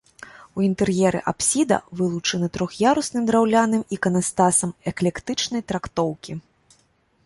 У інтэр'еры апсіда вылучана трох'ярусным драўляным іканастасам эклектычнай трактоўкі.